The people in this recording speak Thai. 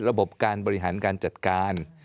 ระบบการบริหารการจัดการ